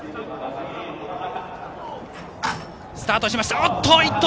スタートしました。